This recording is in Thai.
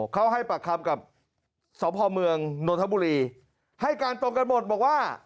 เขาให้ปากคำกับสพเมืองนนทบุรีให้การตรงกันหมดบอกว่า